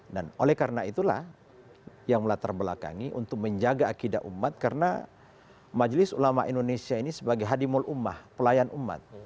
dan oleh karena itulah yang melatar belakangi untuk menjaga akidah umat karena majelis ulama indonesia ini sebagai hadimul umah pelayan umat